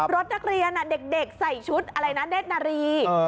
รถนักเรียนเด็กใส่ชุดอะไรนะเนธนารี